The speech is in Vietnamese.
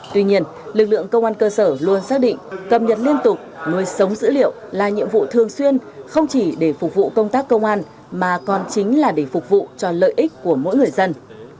tuy nhiên lực lượng công an cơ sở luôn xác định cập nhật liên tục nuôi sống dữ liệu là nhiệm vụ thường xuyên không chỉ để phục vụ công tác công an mà còn chính là để phục vụ cho lợi ích của mỗi người dân